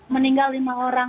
meninggal lima orang